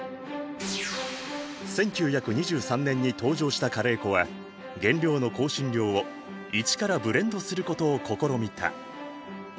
１９２３年に登場したカレー粉は原料の香辛料を一からブレンドすることを試みた。